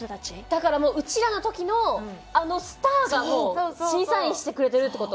だからもううちらの時のあのスターが審査員してくれてるって事？